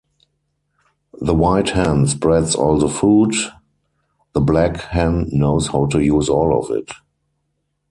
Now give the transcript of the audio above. The white hen spreads all the food, the black hen knows how to use all of it.